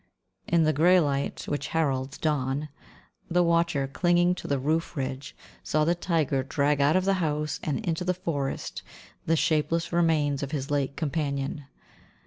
In the grey light which heralds dawn, the watcher, clinging to the roof ridge, saw the tiger drag out of the house and into the forest the shapeless remains of his late companion.